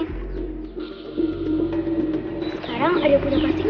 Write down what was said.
sekarang ada punya pasti gak